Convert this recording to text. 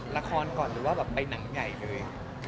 ละครก่อนหรือว่าแบบไปหนังใหญ่เลย